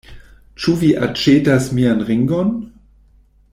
Ĉu vi aĉetas mian ringon?